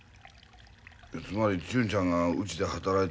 つまり純ちゃんがうちで働いてもうてんのは